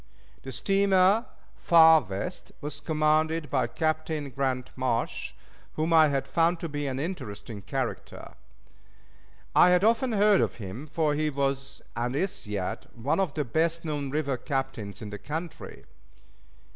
The steamer Far West was commanded by Captain Grant Marsh, whom I found to be an interesting character. I had often heard of him, for he was, and is yet, one of the best known river captains in the country.